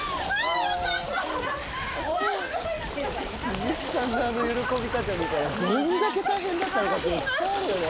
鈴木さんのあの喜び方見たらどんだけ大変だったのか伝わるよね。